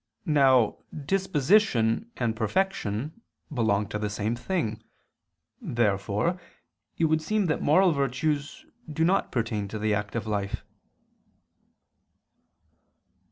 Now disposition and perfection belong to the same thing. Therefore it would seem that the moral virtues do not pertain to the active life.